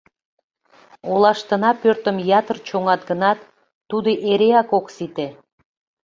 Олаштына пӧртым ятыр чоҥат гынат, тудо эреак ок сите.